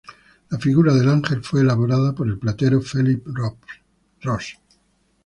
La figura del Ángel fue elaborada por el platero Felip Ros.